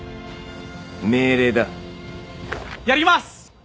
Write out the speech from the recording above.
命令だ。